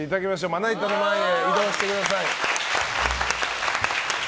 まな板の前へ移動してください。